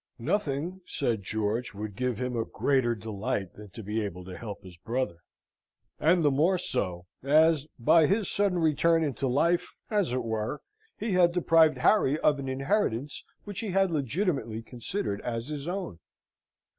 Nothing, said George, would give him a greater delight, than to be able to help his brother, and the more so, as, by his sudden return into life, as it were, he had deprived Harry of an inheritance which he had legitimately considered as his own.